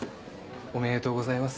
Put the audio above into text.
おめでとうございます。